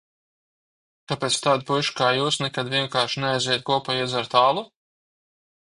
Kāpēc tādi puiši kā jūs nekad vienkārši neaizejat kopā iedzert alu?